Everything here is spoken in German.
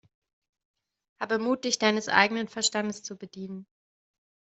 Habe Mut, dich deines eigenen Verstandes zu bedienen!